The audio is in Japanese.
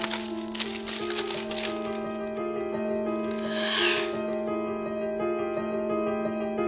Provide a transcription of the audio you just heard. ああ。